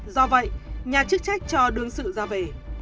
do vậy nhà chức trách cho đương sự ra về